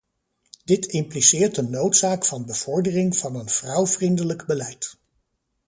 Dit impliceert de noodzaak van bevordering van een vrouwvriendelijk beleid.